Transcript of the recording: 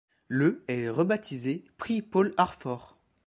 Le est rebaptisé Prix Paul Harfort.